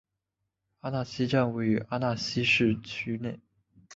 阿讷西站位于阿讷西市区内。